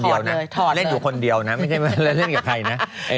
เดี๋ยวนะเล่นอยู่คนเดียวนะไม่ใช่เล่นกับใครนะ